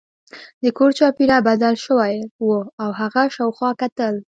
د کور چاپیریال بدل شوی و او هغه شاوخوا کتل